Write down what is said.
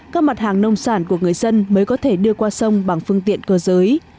các mặt hàng nông sản của người dân mới có thể đưa qua sông bằng phương tiện cơ giới